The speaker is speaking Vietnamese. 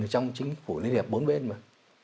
trong chính phủ liên hiệp bốn bên mà